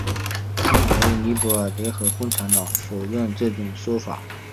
他们还与尼泊尔联合共产党否认此种说法。